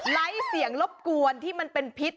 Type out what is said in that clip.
เสียงรบกวนที่มันเป็นพิษ